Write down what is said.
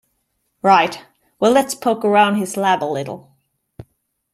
Right, well let's poke around his lab a little.